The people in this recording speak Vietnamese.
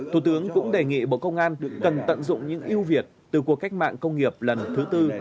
thủ tướng cũng đề nghị bộ công an cần tận dụng những yêu việt từ cuộc cách mạng công nghiệp lần thứ tư